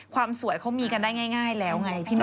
ความสวยเขามีกันได้ง่ายแล้วไงพี่น